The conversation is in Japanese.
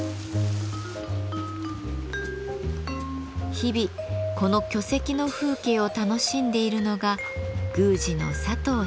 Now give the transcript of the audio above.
日々この巨石の風景を楽しんでいるのが宮司の佐藤眞一さん。